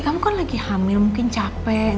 kamu kan lagi hamil mungkin capek